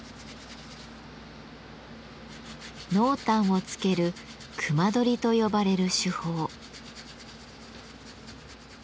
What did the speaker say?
濃淡をつける隈取りと呼ばれる手法。